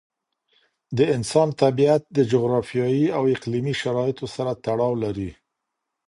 د انسان طبیعت د جغرافیایي او اقليمي شرایطو سره تړاو لري.